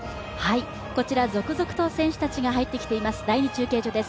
こちら続々と選手たちが入ってきています